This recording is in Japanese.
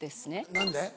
何で？